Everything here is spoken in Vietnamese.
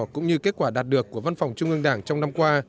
cũng như kết quả đạt được của văn phòng trung ương đảng trong năm qua